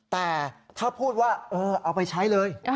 แต่ถ้าพูดว่าเอาไปใช้เลย